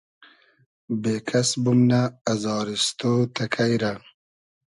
بېکئس بومنۂ ازاریستۉ تئکݷ رۂ